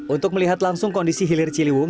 untuk melihat langsung kondisi hilir ciliwung